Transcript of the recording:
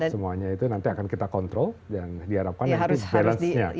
semuanya itu nanti akan kita kontrol dan diharapkan nanti balance nya